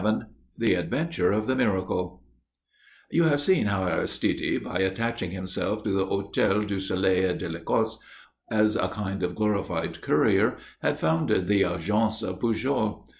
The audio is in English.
VII THE ADVENTURE OF THE MIRACLE You have seen how Aristide, by attaching himself to the Hôtel du Soleil et de l'Ecosse as a kind of glorified courier, had founded the Agence Pujol.